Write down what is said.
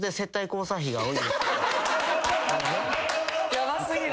ヤバすぎる。